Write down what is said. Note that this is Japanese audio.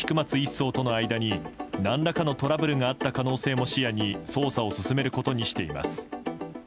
曹との間に何らかのトラブルがあった可能性も視野に捜査を進めることにしています。